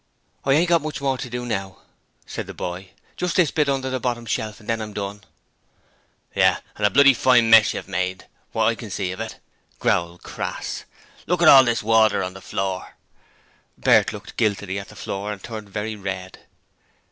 'I ain't got much more to do now,' said the boy. 'Just this bit under the bottom shelf and then I'm done.' 'Yes, and a bloody fine mess you've made, what I can see of it!' growled Crass. 'Look at all this water on the floor!' Bert looked guiltily at the floor and turned very red.